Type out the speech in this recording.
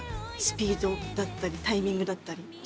スピードだったりタイミングだったり。